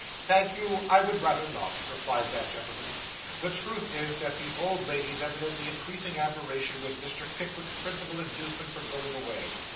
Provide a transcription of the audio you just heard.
'Thank you, I would rather not,' replied that gentleman. The truth is, that the old lady's evidently increasing admiration was Mr. Pickwick's principal inducement for going away.